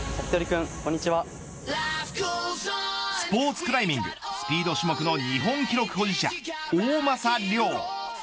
スポーツクライミングスピード種目の日本記録保持者大政涼。